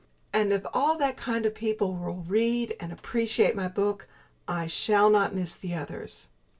And if all that kind of people will read and appreciate my book, I shall not miss the others.